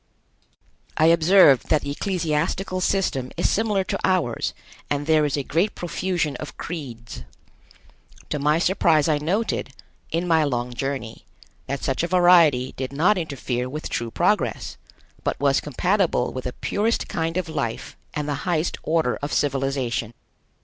I observed that the ecclesiastical system is similar to ours, and there is a great profusion of creeds. To my surprise I noted, in my long journey, that such a variety did not interfere with true progress, but was compatible with the purest kind of life and the highest order of civilization.